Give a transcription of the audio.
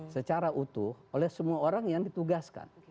secara utuh oleh semua orang yang ditugaskan